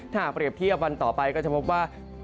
ถ้าหากเปรียบเทียบวันต่อไปก็จะพบว่า